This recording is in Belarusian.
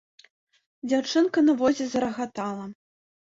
Дзяўчынка на возе зарагатала.